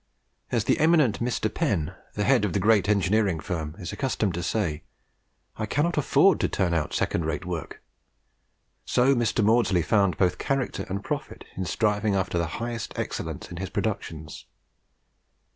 As the eminent Mr. Penn, the head of the great engineering firm, is accustomed to say, "I cannot afford to turn out second rate work," so Mr. Maudslay found both character and profit in striving after the highest excellence in his productions.